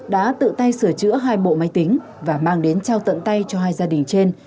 đã tự tay sửa chữa hai bộ máy tính và mang đến trao tận tay cho hai gia đình trên